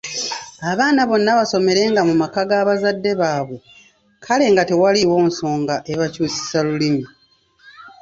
Abaana bonna baasomeranga mu maka ga bazadde baabwe kale nga tewaliiwo nsonga ebakyusisa Lulimi.